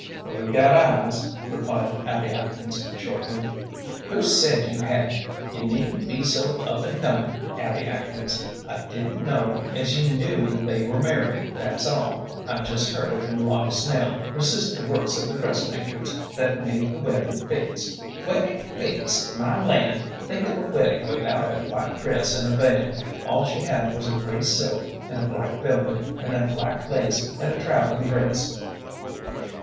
"We've got eyes," replied Abby Atkins, shortly. "Who said you hadn't? You needn't be so up an' comin', Abby Atkins; I didn't know as you knew they were married, that's all. I just heard it from Lottie Snell, whose sister works at the dressmaker's that made the wedding fix. Weddin' fix! My land! Think of a weddin' without a white dress and a veil! All she had was a gray silk and a black velvet, and a black lace, and a travellin' dress!"